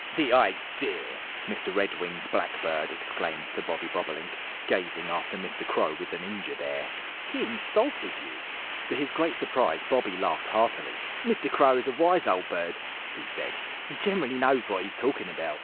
"The idea!" Mr. Red winged Blackbird exclaimed to Bobby Bobolink, gazing after Mr. Crow with an injured air. "He insulted you!" To his great surprise Bobby laughed heartily. "Mr. Crow is a wise old bird," he said, "He generally knows what he's talking about."